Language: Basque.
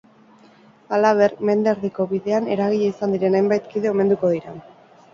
Halaber, mende erdiko bidean eragile izan diren hainbat kide omenduko dituzte.